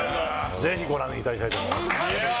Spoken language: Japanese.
ぜひご覧いただきたいと思います。